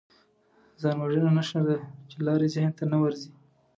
ځانوژنه نښه ده چې لارې ذهن ته نه ورځي